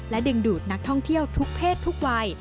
ดึงดูดนักท่องเที่ยวทุกเพศทุกวัย